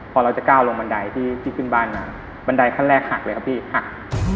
พอเราจะก้าวลงบันไดที่ขึ้นบ้านมาบันไดขั้นแรกหักเลยครับพี่หัก